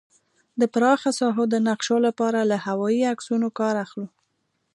د پراخه ساحو د نقشو لپاره له هوايي عکسونو کار اخلو